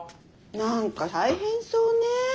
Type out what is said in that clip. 何か大変そうね。